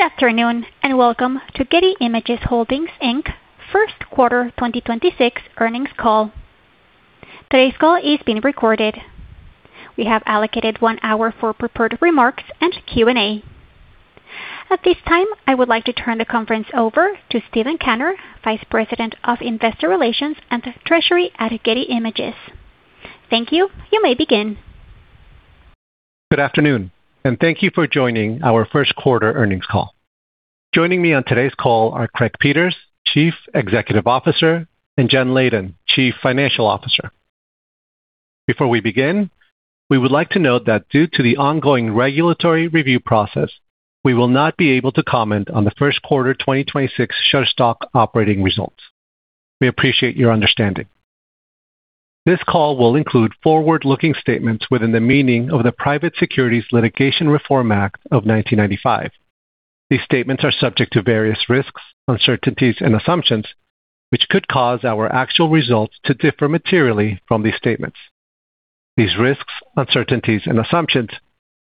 Good afternoon. Welcome to Getty Images Holdings, Inc. first quarter 2026 earnings call. Today's call is being recorded. We have allocated 1 hour for prepared remarks and Q&A. At this time, I would like to turn the conference over to Steven Cantor, Vice President of Investor Relations and Treasury at Getty Images. Thank you. You may begin. Good afternoon, and thank you for joining our first quarter earnings call. Joining me on today's call are Craig Peters, Chief Executive Officer, and Jennifer Leyden, Chief Financial Officer. Before we begin, we would like to note that due to the ongoing regulatory review process, we will not be able to comment on the first quarter 2026 Shutterstock operating results. We appreciate your understanding. This call will include forward-looking statements within the meaning of the Private Securities Litigation Reform Act of 1995. These statements are subject to various risks, uncertainties and assumptions, which could cause our actual results to differ materially from these statements. These risks, uncertainties and assumptions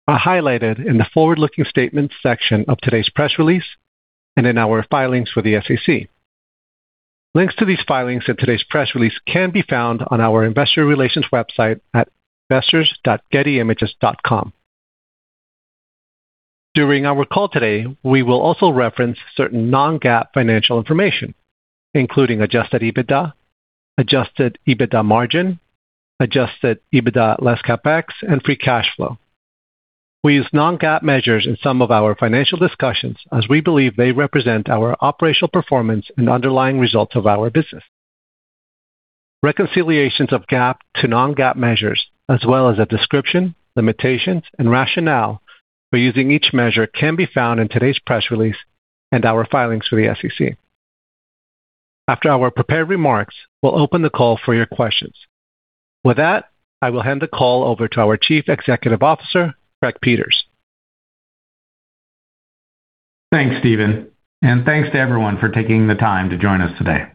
are highlighted in the forward-looking statements section of today's press release and in our filings with the SEC. Links to these filings in today's press release can be found on our investor relations website at investors.gettyimages.com. During our call today, we will also reference certain non-GAAP financial information, including adjusted EBITDA, adjusted EBITDA margin, adjusted EBITDA less CapEx and free cash flow. We use non-GAAP measures in some of our financial discussions as we believe they represent our operational performance and underlying results of our business. Reconciliations of GAAP to non-GAAP measures as well as a description, limitations and rationale for using each measure can be found in today's press release and our filings for the SEC. After our prepared remarks, we'll open the call for your questions. I will hand the call over to our Chief Executive Officer, Craig Peters. Thanks, Steven, and thanks to everyone for taking the time to join us today.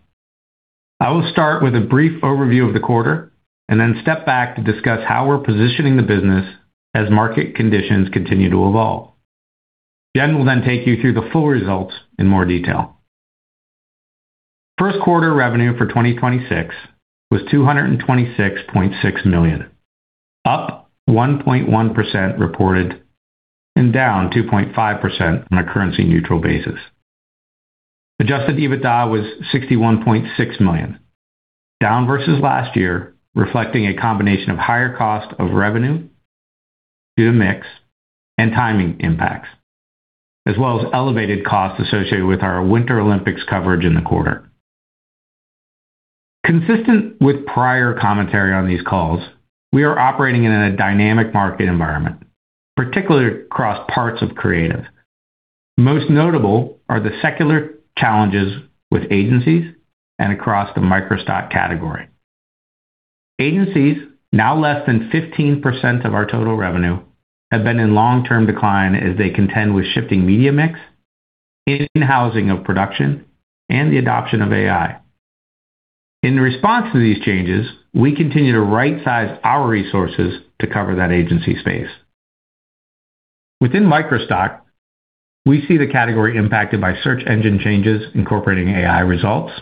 I will start with a brief overview of the quarter and then step back to discuss how we're positioning the business as market conditions continue to evolve. Jennifer Leyden will then take you through the full results in more detail. First quarter revenue for 2026 was $226.6 million, up 1.1% reported and down 2.5% on a currency neutral basis. Adjusted EBITDA was $61.6 million, down versus last year, reflecting a combination of higher cost of revenue due to mix and timing impacts, as well as elevated costs associated with our Winter Olympics coverage in the quarter. Consistent with prior commentary on these calls, we are operating in a dynamic market environment, particularly across parts of creative. Most notable are the secular challenges with agencies and across the microstock category. Agencies, now less than 15% of our total revenue, have been in long-term decline as they contend with shifting media mix, in-housing of production, and the adoption of AI. In response to these changes, we continue to right-size our resources to cover that agency space. Within microstock, we see the category impacted by search engine changes incorporating AI results,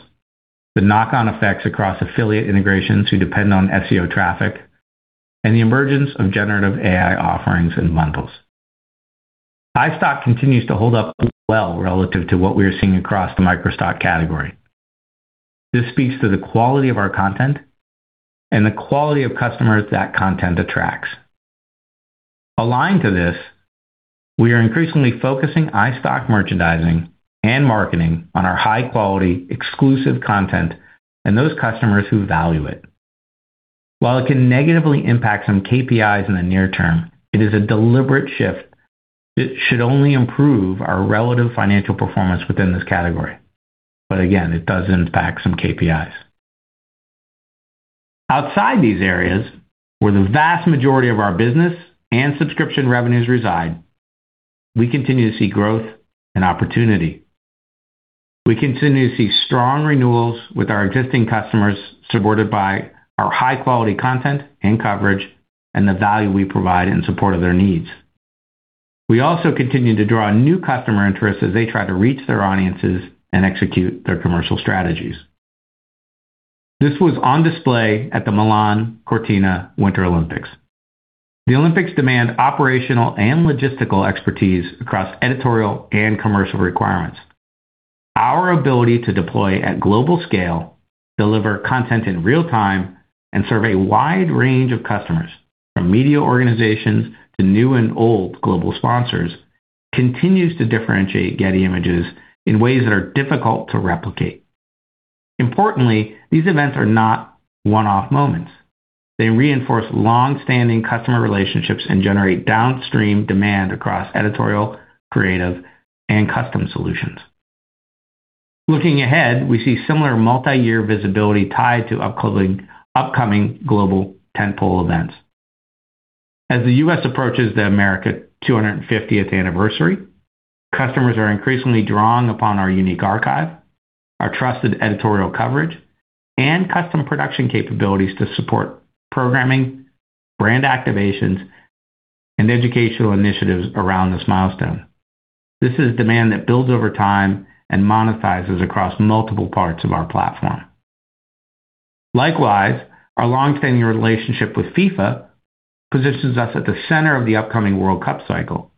the knock-on effects across affiliate integrations who depend on SEO traffic, and the emergence of generative AI offerings and bundles. iStock continues to hold up well relative to what we are seeing across the microstock category. This speaks to the quality of our content and the quality of customers that content attracts. Aligned to this, we are increasingly focusing iStock merchandising and marketing on our high-quality exclusive content and those customers who value it. While it can negatively impact some KPIs in the near term, it is a deliberate shift that should only improve our relative financial performance within this category. Again, it does impact some KPIs. Outside these areas where the vast majority of our business and subscription revenues reside, we continue to see growth and opportunity. We continue to see strong renewals with our existing customers, supported by our high-quality content and coverage and the value we provide in support of their needs. We also continue to draw new customer interest as they try to reach their audiences and execute their commercial strategies. This was on display at the Milan Cortina Winter Olympics. The Olympics demand operational and logistical expertise across editorial and commercial requirements. Our ability to deploy at global scale, deliver content in real time, and serve a wide range of customers, from media organizations to new and old global sponsors, continues to differentiate Getty Images in ways that are difficult to replicate. Importantly, these events are not one-off moments. They reinforce long-standing customer relationships and generate downstream demand across editorial, creative, and custom solutions. Looking ahead, we see similar multi-year visibility tied to upcoming global tentpole events. As the U.S. approaches the America 250th anniversary, customers are increasingly drawing upon our unique archive. Our trusted editorial coverage and custom production capabilities to support programming, brand activations, and educational initiatives around this milestone. This is demand that builds over time and monetizes across multiple parts of our platform. Likewise, our longstanding relationship with FIFA positions us at the center of the upcoming World Cup cycle,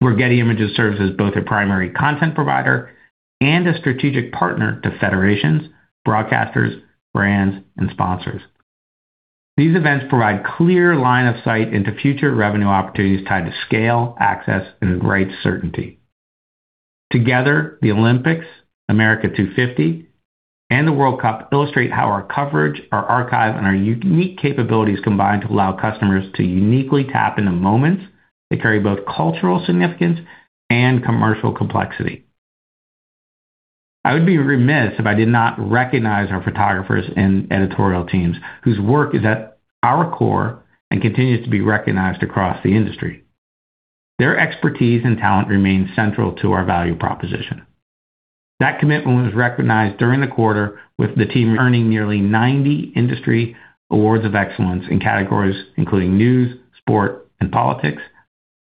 where Getty Images serves as both a primary content provider and a strategic partner to federations, broadcasters, brands, and sponsors. These events provide clear line of sight into future revenue opportunities tied to scale, access, and rights certainty. Together, the Olympics, America 250, and the World Cup illustrate how our coverage, our archive, and our unique capabilities combine to allow customers to uniquely tap into moments that carry both cultural significance and commercial complexity. I would be remiss if I did not recognize our photographers and editorial teams whose work is at our core and continues to be recognized across the industry. Their expertise and talent remains central to our value proposition. That commitment was recognized during the quarter with the team earning nearly 90 industry awards of excellence in categories including news, sport, and politics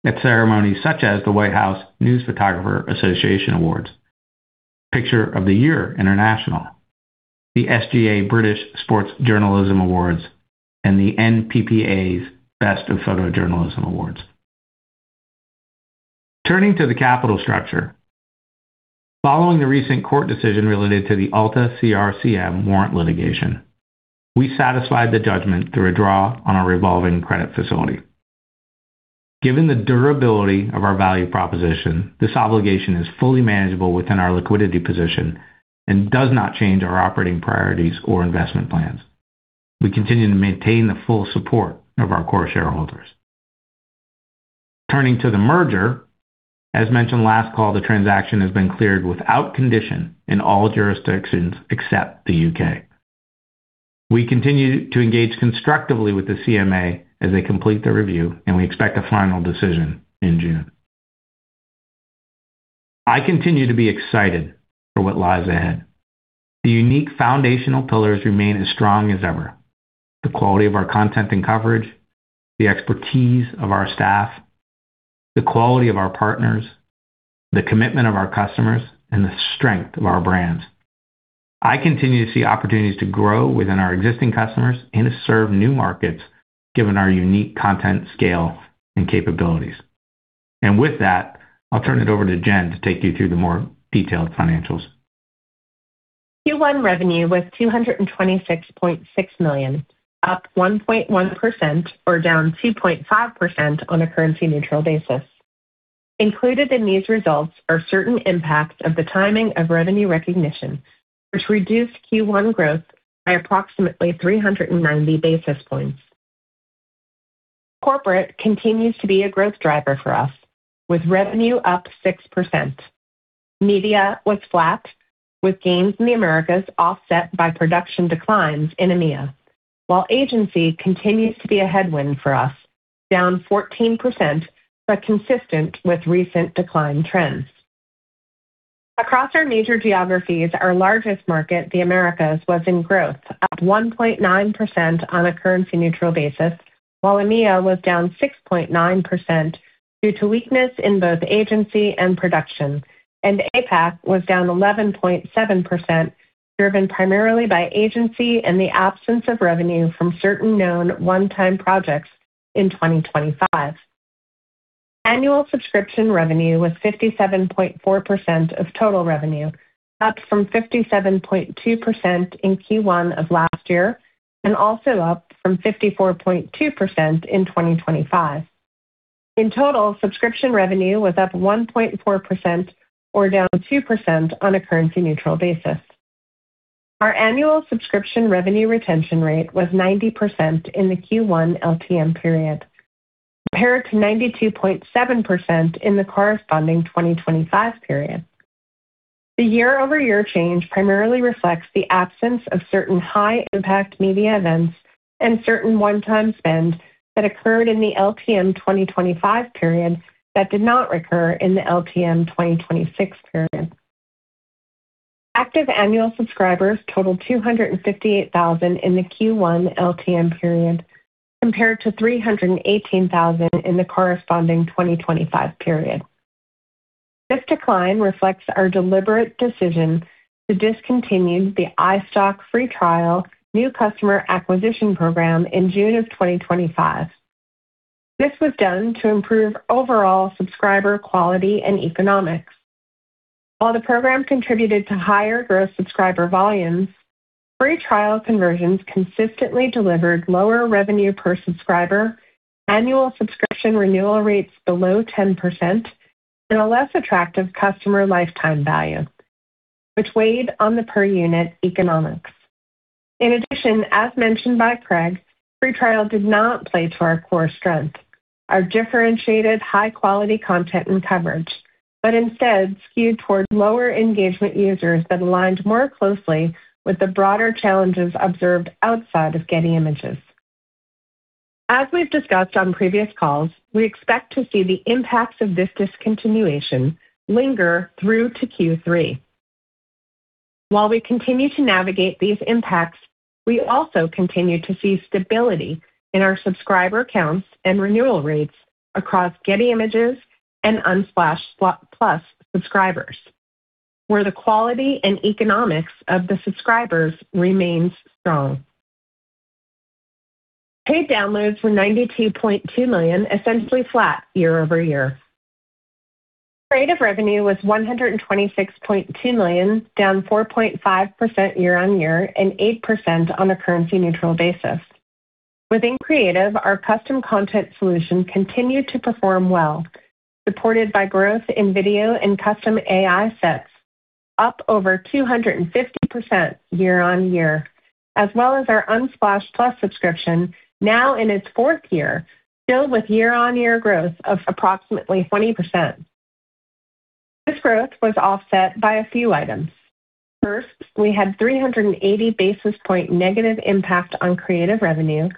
at ceremonies such as the White House News Photographers' Association Awards, Pictures of the Year International, the SJA British Sports Journalism Awards, and the NPPA's Best of Photojournalism Awards. Turning to the capital structure. Following the recent court decision related to the Alta CRCM warrant litigation, we satisfied the judgment through a draw on our revolving credit facility. Given the durability of our value proposition, this obligation is fully manageable within our liquidity position and does not change our operating priorities or investment plans. We continue to maintain the full support of our core shareholders. Turning to the merger, as mentioned last call, the transaction has been cleared without condition in all jurisdictions except the U.K. We continue to engage constructively with the CMA as they complete their review, and we expect a final decision in June. I continue to be excited for what lies ahead. The unique foundational pillars remain as strong as ever. The quality of our content and coverage, the expertise of our staff, the quality of our partners, the commitment of our customers, and the strength of our brands. I continue to see opportunities to grow within our existing customers and to serve new markets given our unique content scale and capabilities. With that, I'll turn it over to Jen to take you through the more detailed financials. Q1 revenue was $226.6 million, up 1.1% or down 2.5% on a currency neutral basis. Included in these results are certain impacts of the timing of revenue recognition, which reduced Q1 growth by approximately 390 basis points. Corporate continues to be a growth driver for us, with revenue up 6%. Media was flat, with gains in the Americas offset by production declines in EMEA, while Agency continues to be a headwind for us, down 14% but consistent with recent decline trends. Across our major geographies, our largest market, the Americas, was in growth, up 1.9% on a currency neutral basis, while EMEA was down 6.9% due to weakness in both agency and production, and APAC was down 11.7%, driven primarily by agency and the absence of revenue from certain known one-time projects in 2025. Annual subscription revenue was 57.4% of total revenue, up from 57.2% in Q1 of last year and also up from 54.2% in 2025. In total, subscription revenue was up 1.4% or down 2% on a currency neutral basis. Our annual subscription revenue retention rate was 90% in the Q1 LTM period, compared to 92.7% in the corresponding 2025 period. The year-over-year change primarily reflects the absence of certain high impact media events and certain one-time spend that occurred in the LTM 2025 period that did not recur in the LTM 2026 period. Active annual subscribers totaled 258,000 in the Q1 LTM period, compared to 318,000 in the corresponding 2025 period. This decline reflects our deliberate decision to discontinue the iStock free trial new customer acquisition program in June of 2025. This was done to improve overall subscriber quality and economics. While the program contributed to higher gross subscriber volumes, free trial conversions consistently delivered lower revenue per subscriber, annual subscription renewal rates below 10%, and a less attractive customer lifetime value, which weighed on the per unit economics. In addition, as mentioned by Craig Peters, free trial did not play to our core strength, our differentiated high-quality content and coverage, but instead skewed toward lower engagement users that aligned more closely with the broader challenges observed outside of Getty Images. We've discussed on previous calls, we expect to see the impacts of this discontinuation linger through to Q3. While we continue to navigate these impacts, we also continue to see stability in our subscriber counts and renewal rates across Getty Images and Unsplash+ subscribers, where the quality and economics of the subscribers remains strong. Paid downloads were $92.2 million, essentially flat year-over-year. Creative revenue was $126.2 million, down 4.5% year-on-year and 8% on a currency neutral basis. Within creative, our custom content solution continued to perform well, supported by growth in video and custom AI sets up over 250% year-on-year, as well as our Unsplash+ subscription now in its fourth year, still with year-on-year growth of approximately 20%. This growth was offset by a few items. First, we had 380 basis point negative impact on creative revenue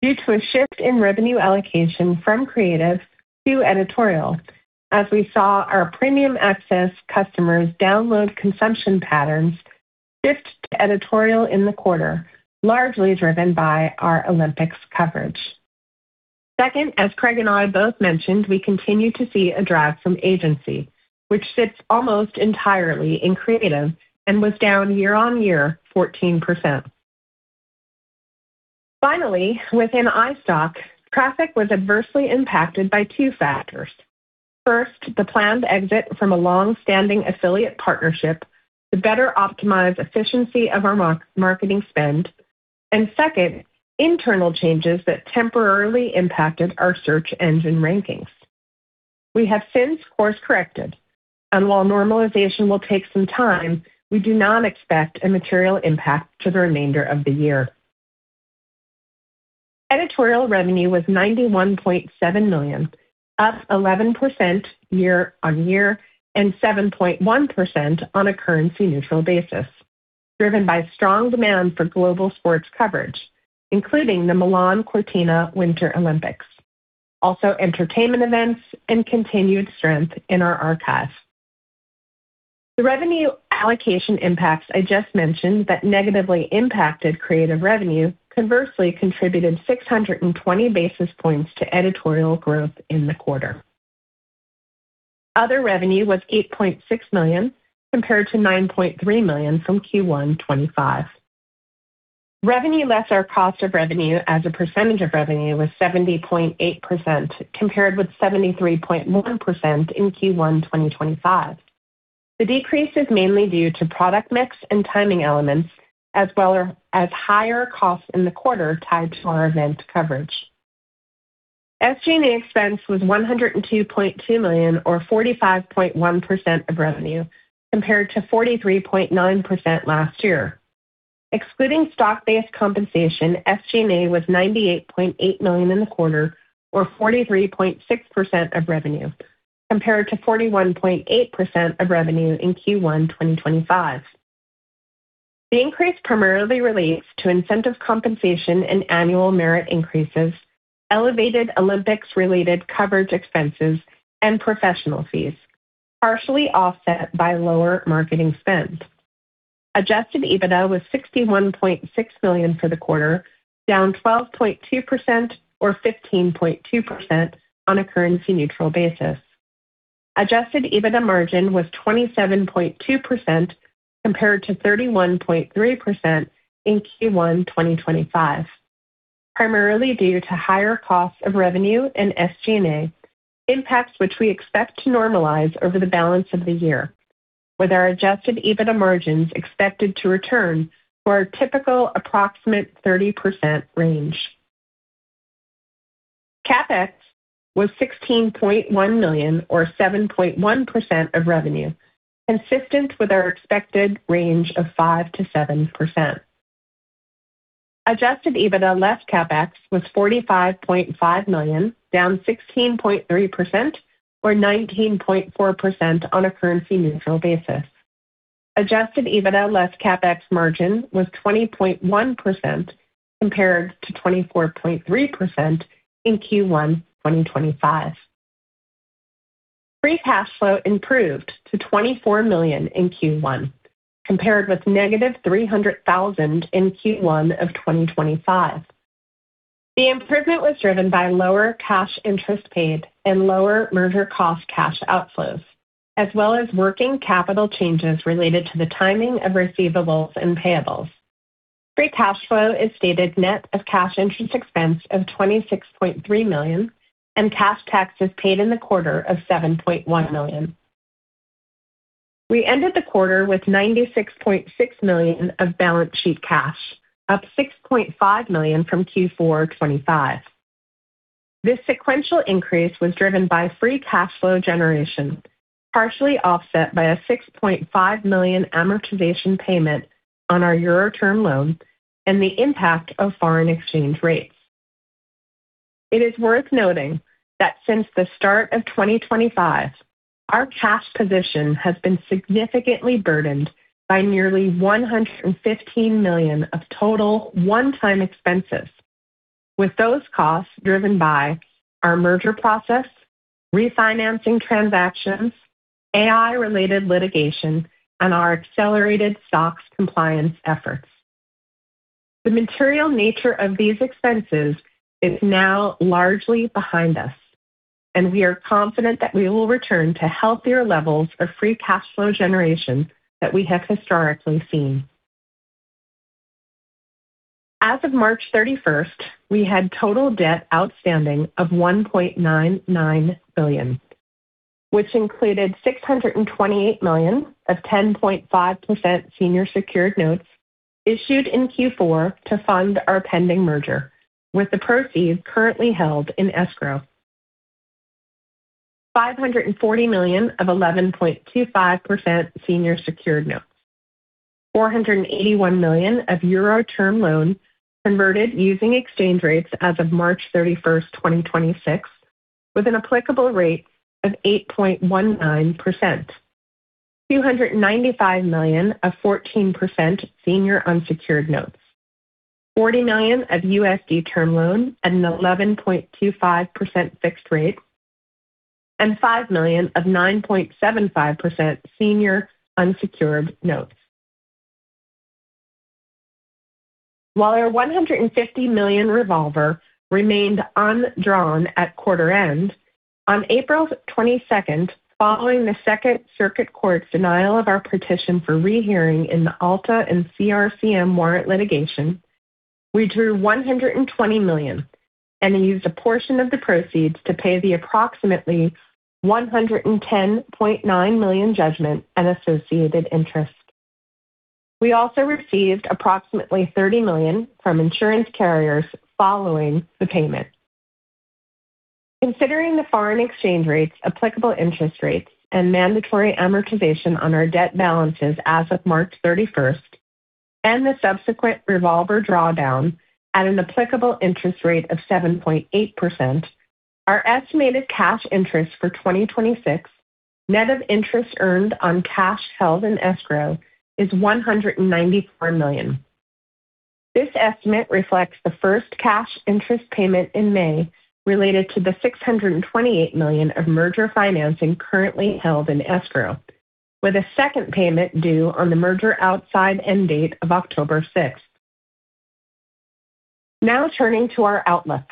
due to a shift in revenue allocation from creative to editorial, as we saw our Premium Access customers' download consumption patterns shift to editorial in the quarter, largely driven by our Olympics coverage. Second, as Craig and I both mentioned, we continue to see a drag from agency, which sits almost entirely in creative and was down 14% year-on-year. Finally, within iStock, traffic was adversely impacted by two factors. First, the planned exit from a long-standing affiliate partnership to better optimize efficiency of our marketing spend, second, internal changes that temporarily impacted our search engine rankings. We have since course-corrected, while normalization will take some time, we do not expect a material impact to the remainder of the year. Editorial revenue was $91.7 million, up 11% year-on-year and 7.1% on a currency neutral basis, driven by strong demand for global sports coverage, including the Milan Cortina Winter Olympics, also entertainment events and continued strength in our archives. The revenue allocation impacts I just mentioned that negatively impacted creative revenue conversely contributed 620 basis points to editorial growth in the quarter. Other revenue was $8.6 million, compared to $9.3 million from Q1 2025. Revenue less our cost of revenue as a percentage of revenue was 70.8%, compared with 73.1% in Q1 2025. The decrease is mainly due to product mix and timing elements as well as higher costs in the quarter tied to our event coverage. SG&A expense was $102.2 million or 45.1% of revenue, compared to 43.9% last year. Excluding stock-based compensation, SG&A was $98.8 million in the quarter or 43.6% of revenue, compared to 41.8% of revenue in Q1 2025. The increase primarily relates to incentive compensation and annual merit increases, elevated Olympics related coverage expenses and professional fees, partially offset by lower marketing spend. Adjusted EBITDA was $61.6 million for the quarter, down 12.2% or 15.2% on a currency neutral basis. Adjusted EBITDA margin was 27.2% compared to 31.3% in Q1 2025, primarily due to higher costs of revenue and SG&A impacts, which we expect to normalize over the balance of the year, with our adjusted EBITDA margins expected to return to our typical approximate 30% range. CapEx was $16.1 million or 7.1% of revenue, consistent with our expected range of 5%-7%. Adjusted EBITDA less CapEx was $45.5 million, down 16.3% or 19.4% on a currency neutral basis. Adjusted EBITDA less CapEx margin was 20.1% compared to 24.3% in Q1 2025. Free cash flow improved to $24 million in Q1 compared with negative $300,000 in Q1 of 2025. The improvement was driven by lower cash interest paid and lower merger cost cash outflows, as well as working capital changes related to the timing of receivables and payables. Free cash flow is stated net of cash interest expense of $26.3 million and cash taxes paid in the quarter of $7.1 million. We ended the quarter with $96.6 million of balance sheet cash, up $6.5 million from Q4 2025. This sequential increase was driven by free cash flow generation, partially offset by a 6.5 million amortization payment on our euro term loan and the impact of foreign exchange rates. It is worth noting that since the start of 2025, our cash position has been significantly burdened by nearly $115 million of total one-time expenses. With those costs driven by our merger process, refinancing transactions, AI-related litigation, and our accelerated SOX compliance efforts. The material nature of these expenses is now largely behind us, and we are confident that we will return to healthier levels of free cash flow generation that we have historically seen. As of March thirty-first, we had total debt outstanding of $1.99 billion, which included $628 million of 10.5% senior secured notes issued in Q4 to fund our pending merger, with the proceeds currently held in escrow, $540 million of 11.25% senior secured notes. 481 million of euro term loan converted using exchange rates as of March 31, 2026, with an applicable rate of 8.19%. $295 million of 14% senior unsecured notes. $40 million of USD term loan at an 11.25% fixed rate, and $5 million of 9.75% senior unsecured notes. While our $150 million revolver remained undrawn at quarter end, on April 22, following the Second Circuit Court's denial of our petition for rehearing in the Alta and CRCM warrant litigation, we drew $120 million and used a portion of the proceeds to pay the approximately $110.9 million judgment and associated interest. We also received approximately $30 million from insurance carriers following the payment. Considering the foreign exchange rates, applicable interest rates, and mandatory amortization on our debt balances as of March 31st, and the subsequent revolver drawdown at an applicable interest rate of 7.8%, our estimated cash interest for 2026, net of interest earned on cash held in escrow, is $194 million. This estimate reflects the first cash interest payment in May related to the $628 million of merger financing currently held in escrow, with a second payment due on the merger outside end date of October 6th. Turning to our outlook.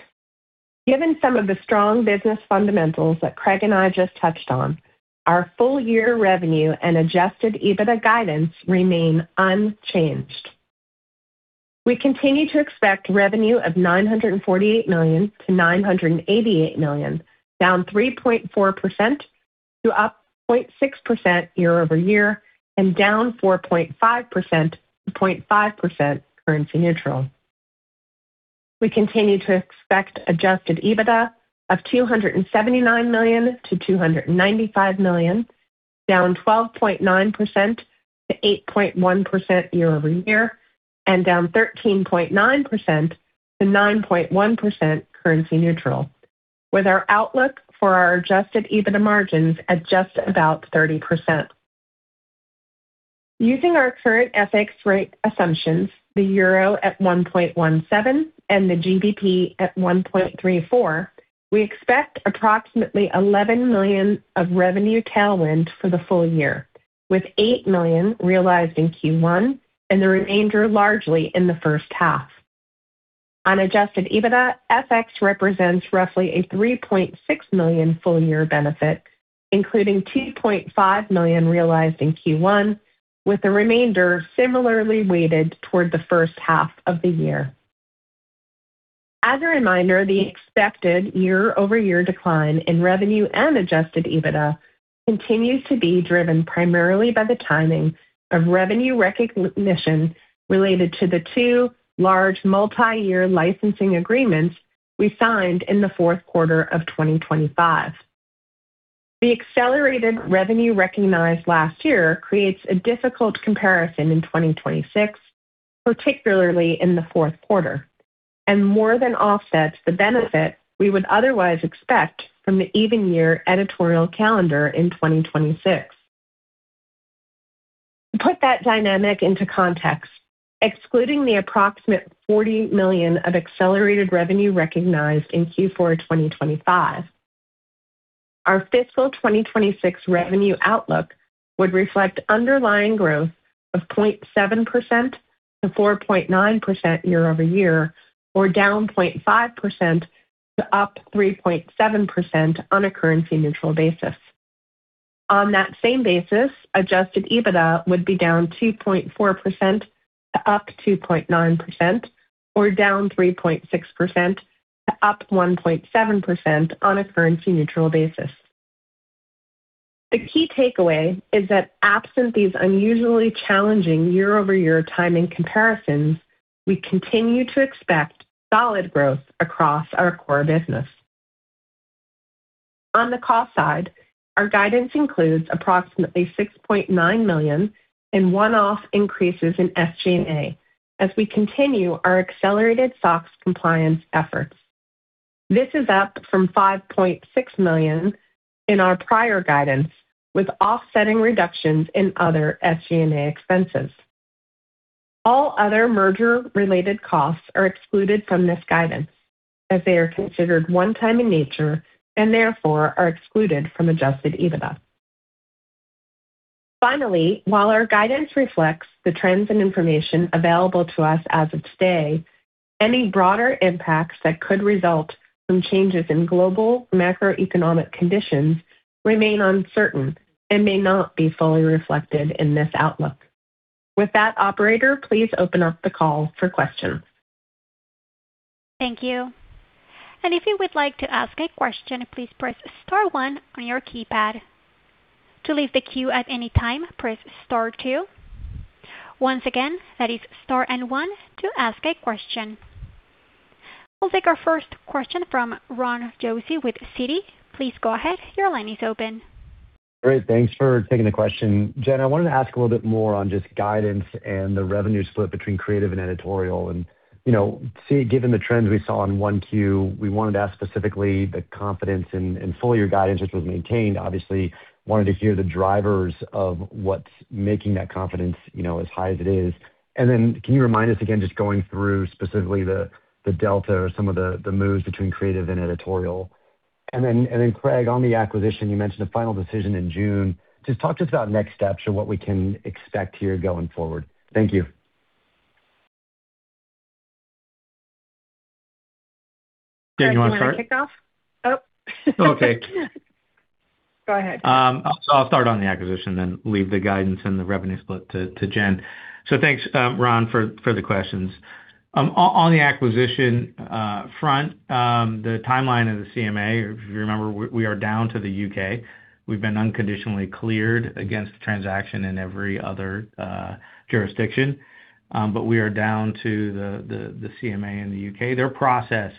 Given some of the strong business fundamentals that Craig and I just touched on, our full year revenue and adjusted EBITDA guidance remain unchanged. We continue to expect revenue of $948 million-$988 million, down 3.4% to up 0.6% year-over-year and down 4.5% to 0.5% currency neutral. We continue to expect adjusted EBITDA of $279 million-$295 million, down 12.9% to 8.1% year-over-year and down 13.9% to 9.1% currency neutral, with our outlook for our adjusted EBITDA margins at just about 30%. Using our current FX rate assumptions, the EUR at 1.17 and the GBP at 1.34, we expect approximately $11 million of revenue tailwind for the full year, with $8 million realized in Q1 and the remainder largely in the first half. On adjusted EBITDA, FX represents roughly a $3.6 million full-year benefit, including $2.5 million realized in Q1, with the remainder similarly weighted toward the first half of the year. As a reminder, the expected year-over-year decline in revenue and adjusted EBITDA continues to be driven primarily by the timing of revenue recognition related to the two large multi-year licensing agreements we signed in the fourth quarter of 2025. The accelerated revenue recognized last year creates a difficult comparison in 2026, particularly in the fourth quarter, and more than offsets the benefit we would otherwise expect from the even year editorial calendar in 2026. To put that dynamic into context, excluding the approximate $40 million of accelerated revenue recognized in Q4 2025, our fiscal 2026 revenue outlook would reflect underlying growth of 0.7%-4.9% year-over-year, or down 0.5% to up 3.7% on a currency neutral basis. On that same basis, adjusted EBITDA would be down 2.4% to up 2.9%, or down 3.6% to up 1.7% on a currency neutral basis. The key takeaway is that absent these unusually challenging year-over-year timing comparisons, we continue to expect solid growth across our core business. On the cost side, our guidance includes approximately $6.9 million in one-off increases in SG&A as we continue our accelerated SOX compliance efforts. This is up from $5.6 million in our prior guidance, with offsetting reductions in other SG&A expenses. All other merger-related costs are excluded from this guidance, as they are considered one time in nature and therefore are excluded from adjusted EBITDA. Finally, while our guidance reflects the trends and information available to us as of today, any broader impacts that could result from changes in global macroeconomic conditions remain uncertain and may not be fully reflected in this outlook. With that, operator, please open up the call for questions. Thank you. If you would like to ask a question, please press star one on your keypad. To leave the queue at any time, press star two. Once again, that is star and one to ask a question. We'll take our first question from Ronald Josey with Citi. Please go ahead. Your line is open. Great. Thanks for taking the question. Jen, I wanted to ask a little bit more on just guidance and the revenue split between creative and editorial. You know, given the trends we saw in 1Q, we wanted to ask specifically the confidence in full year guidance, which was maintained. Wanted to hear the drivers of what's making that confidence, you know, as high as it is. Can you remind us again, just going through specifically the delta or some of the moves between creative and editorial? Craig, on the acquisition, you mentioned a final decision in June. Just talk to us about next steps or what we can expect here going forward. Thank you. Jen, you wanna start? Craig, do you wanna kick off? Oh. Okay. Go ahead. I'll start on the acquisition, then leave the guidance and the revenue split to Jennifer Leyden. Thanks, Ronald Josey, for the questions. On the acquisition front, the timeline of the CMA, if you remember, we are down to the U.K. We've been unconditionally cleared against the transaction in every other jurisdiction, but we are down to the CMA in the U.K. Their process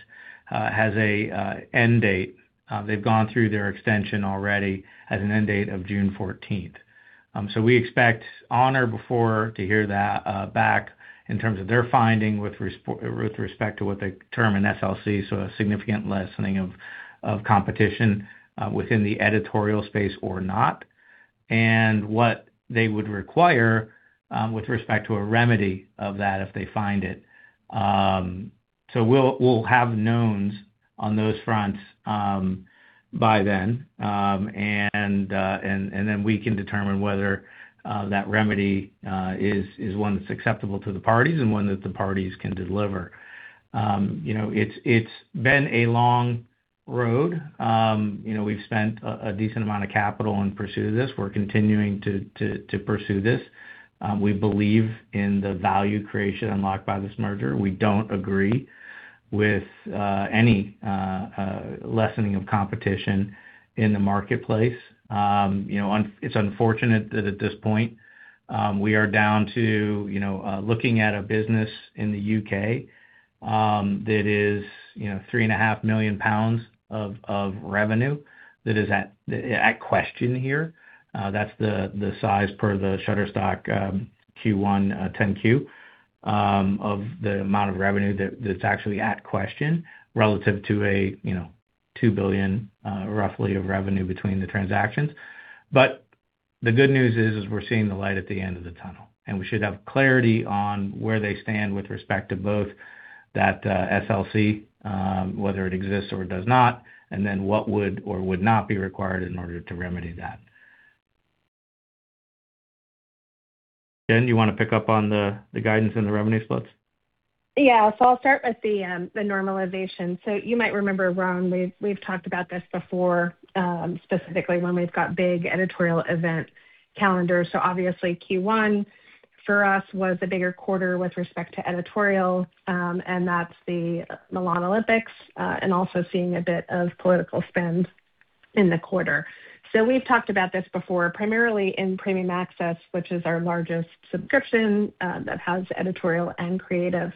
has an end date. They've gone through their extension already, has an end date of June 14th. We expect on or before to hear that back in terms of their finding with respect to what they term an SLC, a significant lessening of competition within the editorial space or not, and what they would require with respect to a remedy of that if they find it. We'll have knowns on those fronts by then, and then we can determine whether that remedy is one that's acceptable to the parties and one that the parties can deliver. You know, it's been a long road. You know, we've spent a decent amount of capital in pursuit of this. We're continuing to pursue this. We believe in the value creation unlocked by this merger. We don't agree with any lessening of competition in the marketplace. You know, it's unfortunate that at this point, we are down to, you know, looking at a business in the U.K., that is, you know, 3.5 million pounds of revenue that is at question here. That's the size per the Shutterstock Q1 10-Q of the amount of revenue that's actually at question relative to a, you know, $2 billion roughly of revenue between the transactions. The good news is we're seeing the light at the end of the tunnel, and we should have clarity on where they stand with respect to both that SLC, whether it exists or does not, and then what would or would not be required in order to remedy that. Jen, do you wanna pick up on the guidance and the revenue splits? I'll start with the normalization. You might remember, Ron, we've talked about this before, specifically when we've got big editorial event calendars. Obviously, Q1 for us was a bigger quarter with respect to editorial, and that's the Milan Olympics, and also seeing a bit of political spend in the quarter. We've talked about this before, primarily in Premium Access, which is our largest subscription that has editorial and creative.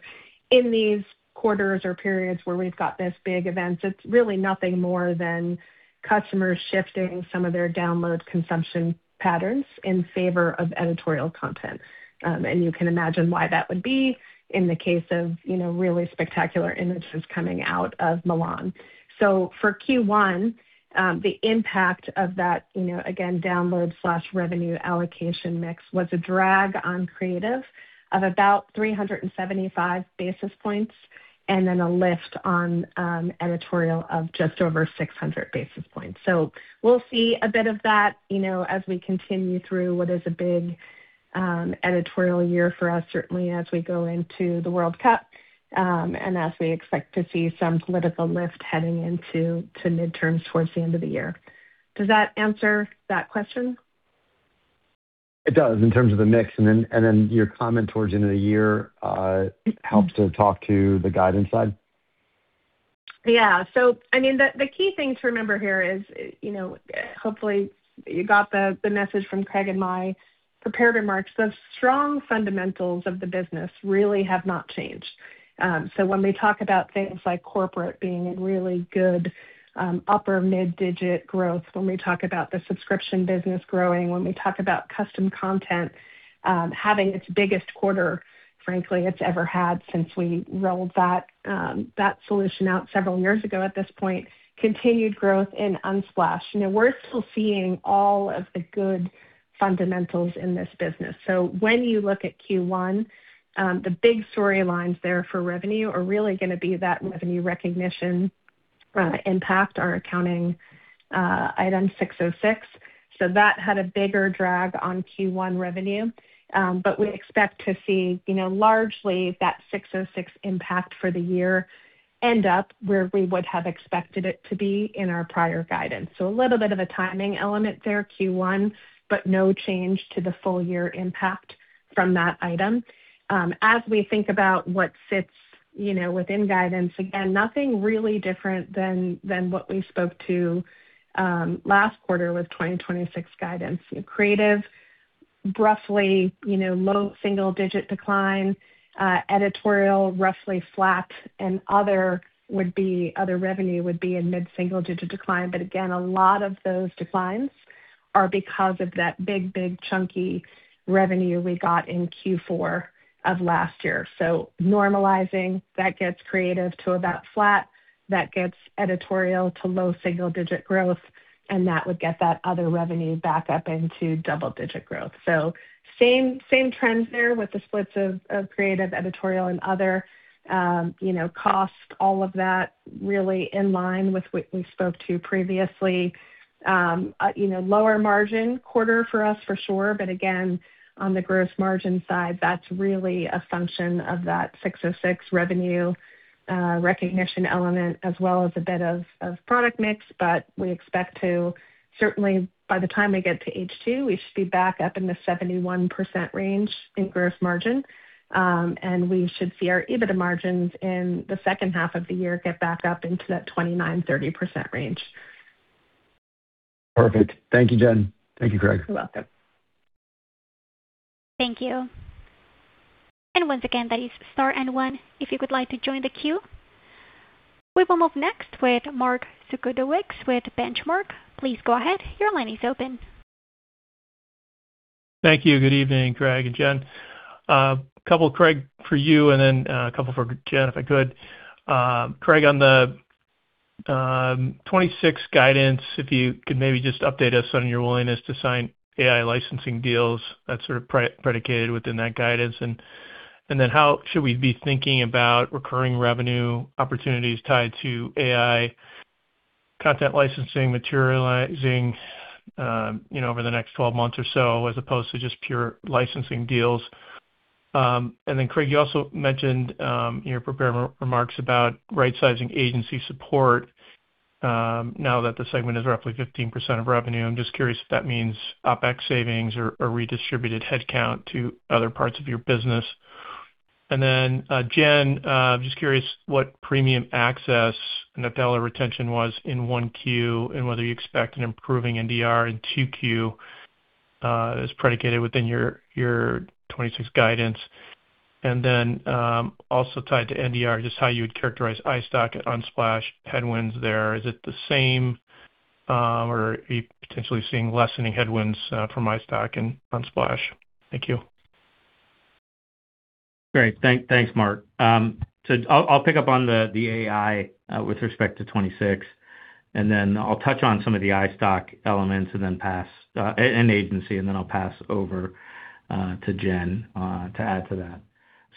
In these quarters or periods where we've got this big event, it's really nothing more than customers shifting some of their download consumption patterns in favor of editorial content. You can imagine why that would be in the case of, you know, really spectacular images coming out of Milan. For Q1, the impact of that, you know, again, download/revenue allocation mix was a drag on creative of about 375 basis points and then a lift on editorial of just over 600 basis points. We'll see a bit of that, you know, as we continue through what is a big editorial year for us, certainly as we go into the World Cup, and as we expect to see some political lift heading into to midterms towards the end of the year. Does that answer that question? It does in terms of the mix. Your comment towards the end of the year, helps to talk to the guidance side. Yeah. I mean, the key thing to remember here is, you know, hopefully you got the message from Craig and my prepared remarks. The strong fundamentals of the business really have not changed. When we talk about things like corporate being in really good, upper mid-digit growth, when we talk about the subscription business growing, when we talk about custom content, having its biggest quarter, frankly, it's ever had since we rolled that solution out several years ago at this point, continued growth in Unsplash. You know, we're still seeing all of the good-Fundamentals in this business. When you look at Q1, the big storylines there for revenue are really going to be that revenue recognition, impact our accounting item 606. That had a bigger drag on Q1 revenue. We expect to see, you know, largely that 606 impact for the year end up where we would have expected it to be in our prior guidance. A little bit of a timing element there, Q1, no change to the full year impact from that item. As we think about what fits, you know, within guidance, again, nothing really different than what we spoke to last quarter with 2026 guidance. Creative, roughly, you know, low single-digit decline, editorial roughly flat, and other would be, other revenue would be a mid-single digit decline. Again, a lot of those declines are because of that big chunky revenue we got in Q4 of last year. Normalizing, that gets creative to about flat, that gets editorial to low single-digit growth, and that would get that other revenue back up into double-digit growth. Same, same trends there with the splits of creative, editorial and other, you know, cost all of that really in line with what we spoke to previously. You know, lower margin quarter for us for sure. Again, on the gross margin side, that's really a function of that 606 revenue recognition element as well as a bit of product mix. We expect to certainly by the time we get to H2, we should be back up in the 71% range in gross margin. We should see our EBITDA margins in the second half of the year get back up into that 29%-30% range. Perfect. Thank you, Jen. Thank you, Craig. You're welcome. Thank you. Once again, that is star and one, if you would like to join the queue. We will move next with Mark Zgutowicz with Benchmark. Please go ahead. Your line is open. Thank you. Good evening, Craig and Jen. A couple, Craig, for you and then, a couple for Jen, if I could. Craig, on the 2026 guidance, if you could maybe just update us on your willingness to sign AI licensing deals that's sort of pre-predicated within that guidance. Then how should we be thinking about recurring revenue opportunities tied to AI content licensing materializing, you know, over the next 12 months or so, as opposed to just pure licensing deals? Then Craig, you also mentioned in your prepared remarks about rightsizing agency support, now that the segment is roughly 15% of revenue. I'm just curious if that means OpEx savings or redistributed headcount to other parts of your business. Jen, just curious what Premium Access net dollar retention was in 1Q and whether you expect an improving NDR in 2Q as predicated within your 2026 guidance. Also tied to NDR, just how you would characterize iStock at Unsplash headwinds there. Is it the same, or are you potentially seeing lessening headwinds from iStock and Unsplash? Thank you. Great. Thanks, Mark. I'll pick up on the AI with respect to 26, and then I'll touch on some of the iStock elements and then pass and agency, and then I'll pass over to Jen to add to that.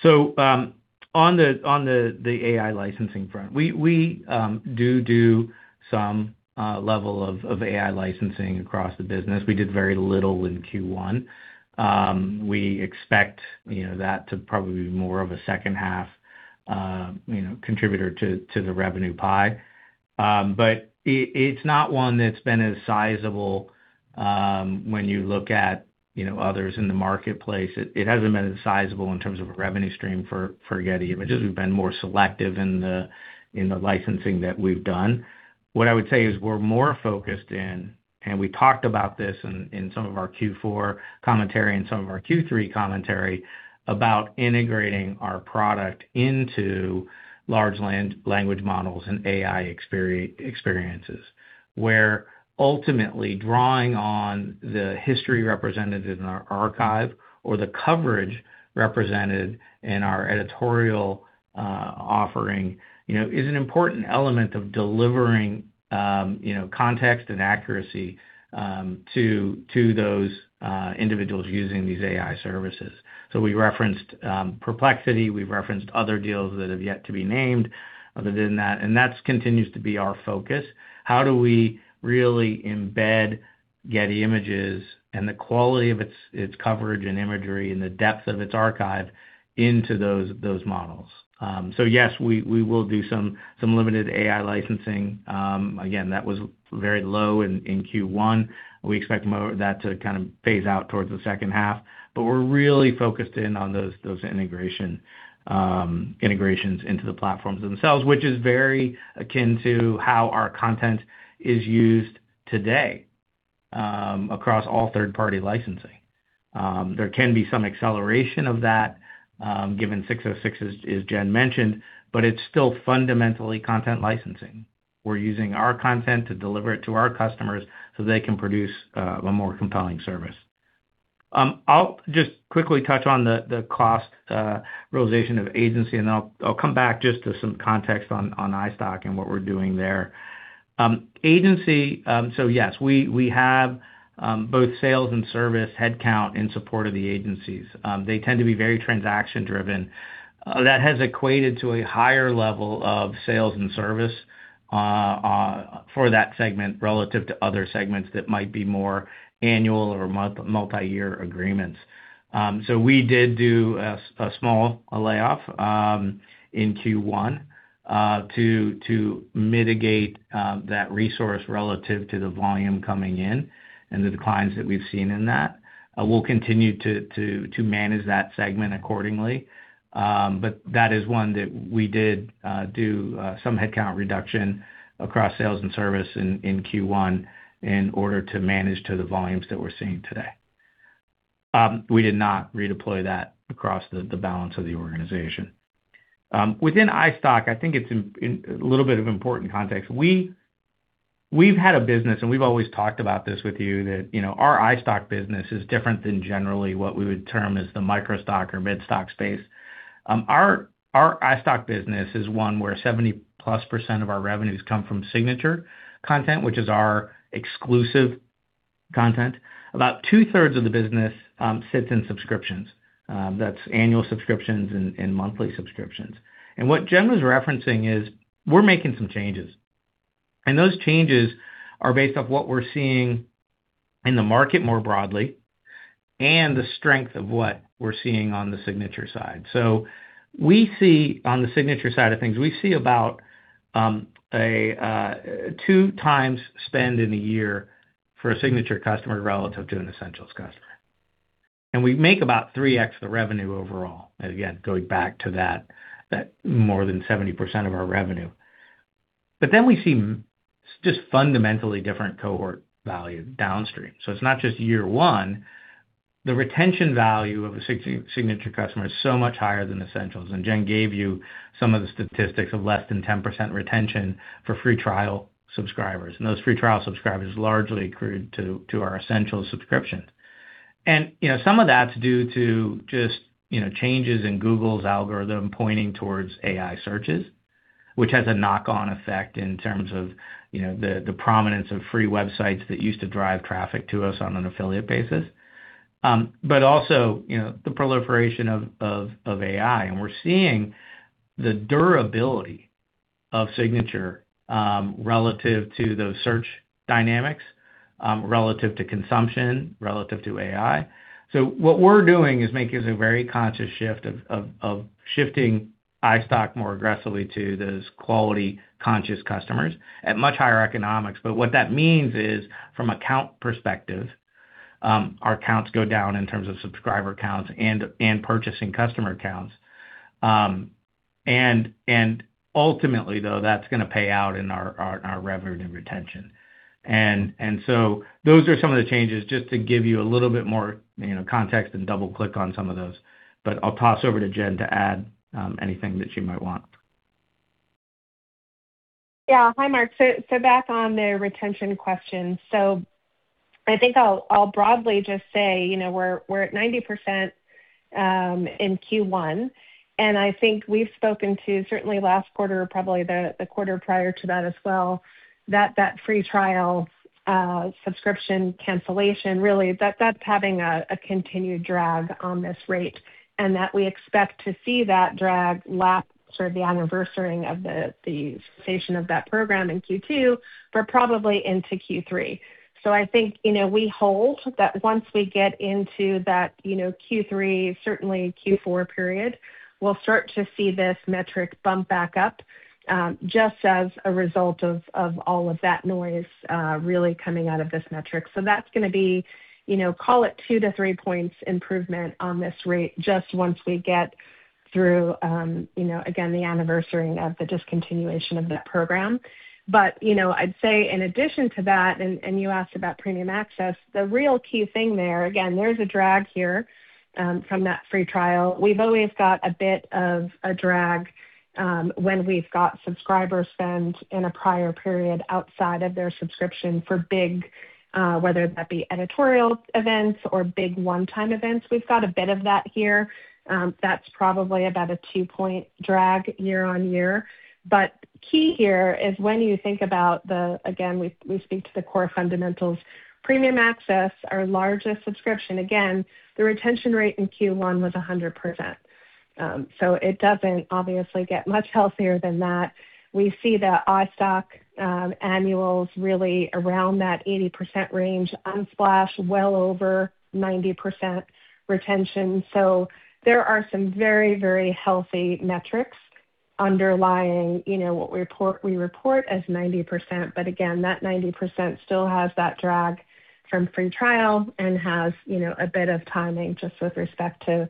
On the AI licensing front, we do some level of AI licensing across the business. We did very little in Q1. We expect, you know, that to probably be more of a second half, you know, contributor to the revenue pie. It's not one that's been as sizable when you look at, you know, others in the marketplace. It hasn't been as sizable in terms of a revenue stream for Getty Images. We've been more selective in the licensing that we've done. What I would say is we're more focused in, and we talked about this in some of our Q4 commentary and some of our Q3 commentary, about integrating our product into large language models and AI experiences, where ultimately drawing on the history represented in our archive or the coverage represented in our editorial offering, you know, is an important element of delivering, you know, context and accuracy to those individuals using these AI services. We referenced Perplexity, we've referenced other deals that have yet to be named other than that, and that's continues to be our focus. How do we really embed Getty Images and the quality of its coverage and imagery and the depth of its archive into those models? Yes, we will do some limited AI licensing. Again, that was very low in Q1. We expect more of that to kind of phase out towards the second half. We're really focused in on those integration integrations into the platforms themselves, which is very akin to how our content is used today across all third-party licensing. There can be some acceleration of that given ASC 606, as Jen mentioned, it's still fundamentally content licensing. We're using our content to deliver it to our customers so they can produce a more compelling service. I'll just quickly touch on the cost realization of agency, and I'll come back just to some context on iStock and what we're doing there. Agency, yes, we have both sales and service headcount in support of the agencies. They tend to be very transaction-driven. That has equated to a higher level of sales and service for that segment relative to other segments that might be more annual or multi-year agreements. We did do a small layoff in Q1 to mitigate that resource relative to the volume coming in and the declines that we've seen in that. We'll continue to manage that segment accordingly. That is one that we did do some headcount reduction across sales and service in Q1 in order to manage to the volumes that we're seeing today. We did not redeploy that across the balance of the organization. Within iStock, I think it's a little bit of important context. We've had a business, and we've always talked about this with you, that, you know, our iStock business is different than generally what we would term as the micro stock or mid stock space. Our iStock business is one where 70%+ of our revenues come from signature content, which is our exclusive content. About two-thirds of the business sits in subscriptions. That's annual subscriptions and monthly subscriptions. What Jen was referencing is we're making some changes, and those changes are based off what we're seeing in the market more broadly and the strength of what we're seeing on the signature side. We see, on the signature side of things, we see about a 2x spend in a year for a signature customer relative to an essentials customer. We make about 3x the revenue overall, again, going back to that more than 70% of our revenue. We see just fundamentally different cohort value downstream. It's not just year one. The retention value of a signature customer is so much higher than essentials. Jen gave you some of the statistics of less than 10% retention for free trial subscribers, and those free trial subscribers largely accrued to our essentials subscriptions. Some of that's due to just changes in Google's algorithm pointing towards AI searches, which has a knock-on effect in terms of the prominence of free websites that used to drive traffic to us on an affiliate basis. Also the proliferation of AI. We're seeing the durability of signature relative to those search dynamics relative to consumption, relative to AI. What we're doing is making some very conscious shift of shifting iStock more aggressively to those quality-conscious customers at much higher economics. What that means is, from account perspective, our accounts go down in terms of subscriber counts and purchasing customer counts. Ultimately, though, that's gonna pay out in our revenue and retention. Those are some of the changes, just to give you a little bit more, you know, context and double-click on some of those. I'll toss over to Jen to add anything that she might want. Hi, Mark. Back on the retention question. I think I'll broadly just say, you know, we're at 90% in Q1, and I think we've spoken to certainly last quarter or probably the quarter prior to that as well, that free trial subscription cancellation really, that's having a continued drag on this rate and that we expect to see that drag last for the anniversarying of the cessation of that program in Q2 for probably into Q3. I think, you know, we hold that once we get into that, you know, Q3, certainly Q4 period, we'll start to see this metric bump back up just as a result of all of that noise really coming out of this metric. That's gonna be, you know, call it 2 to 3 points improvement on this rate just once we get through, you know, again, the anniversarying of the discontinuation of the program. You know, I'd say in addition to that, you asked about Premium Access, the real key thing there, again, there's a drag here from that free trial. We've always got a bit of a drag when we've got subscriber spend in a prior period outside of their subscription for big, whether that be editorial events or big one-time events. We've got a bit of that here. That's probably about a 2-point drag year-over-year. Key here is when you think about again, we speak to the core fundamentals. Premium Access, our largest subscription, again, the retention rate in Q1 was 100%. It doesn't obviously get much healthier than that. We see the iStock annuals really around that 80% range. Unsplash well over 90% retention. There are some very, very healthy metrics underlying, you know, what we report, we report as 90%, but again, that 90% still has that drag from free trial and has, you know, a bit of timing just with respect to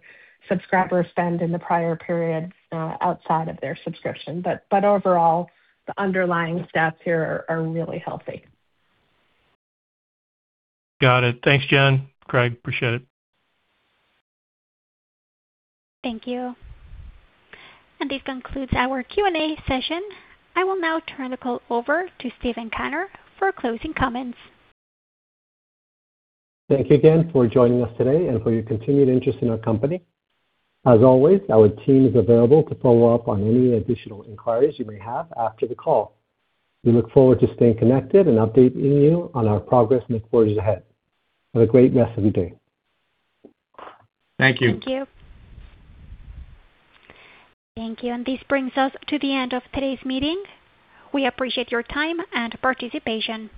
subscriber spend in the prior period outside of their subscription. Overall, the underlying stats here are really healthy. Got it. Thanks, Jen, Craig. Appreciate it. Thank you. This concludes our Q&A session. I will now turn the call over to Steven Cantor for closing comments. Thank you again for joining us today and for your continued interest in our company. As always, our team is available to follow up on any additional inquiries you may have after the call. We look forward to staying connected and updating you on our progress moving forward ahead. Have a great rest of your day. Thank you. Thank you. Thank you. This brings us to the end of today's meeting. We appreciate your time and participation.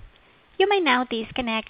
You may now disconnect.